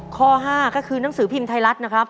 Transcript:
ข้อ๕ก็คือหนังสือพิมพ์ไทยรัฐนะครับ